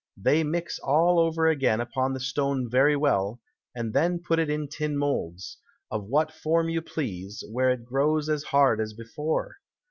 They mix all over again upon the Stone very well, and then put it in Tin Moulds, of what Form you please, where it grows as hard as before.